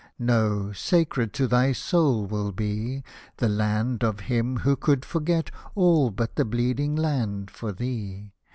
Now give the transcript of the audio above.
No — sacred to thy soul will be The land of him who could forget All but that bleeding land for thee.